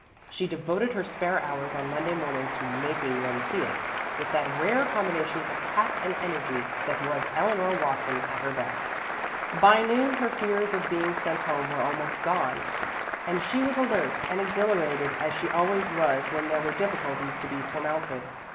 She devoted her spare hours on Monday morning to "making them see it," with that rare combination of tact and energy that was Eleanor Watson at her best. By noon her fears of being sent home were almost gone, and she was alert and exhilarated as she always was when there were difficulties to be surmounted.